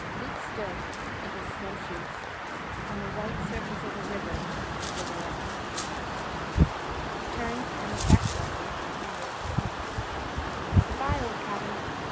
Luke stood, in his snowshoes, on the white surface of the River of the Way Out. He turned to look back for a moment, and waved his hand. "Good bye, old cabin!